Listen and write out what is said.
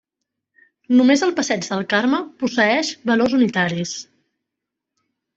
Només el passeig del Carme posseeix valors unitaris.